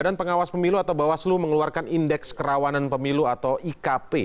badan pengawas pemilu atau bawaslu mengeluarkan indeks kerawanan pemilu atau ikp